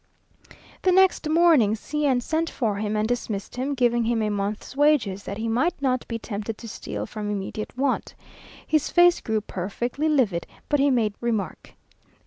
The next morning C n sent for him and dismissed him, giving him a month's wages, that he might not be tempted to steal from immediate want. His face grew perfectly livid, but he made no remark.